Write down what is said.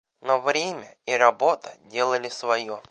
Но время и работа делали свое.